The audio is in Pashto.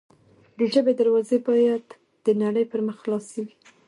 د ژبې دروازې باید د نړۍ پر مخ خلاصې وي.